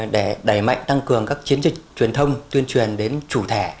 để đẩy mạnh tăng cường các chiến dịch truyền thông tuyên truyền đến chủ thể